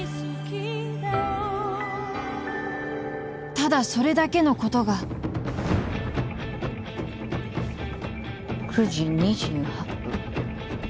ただそれだけのことが９時２８分